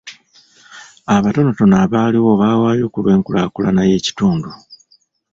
Abatonotono abaaliwo baawaayo ku lw'enkulaakulana y'ekitundu.